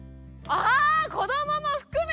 あ子どもも含めて。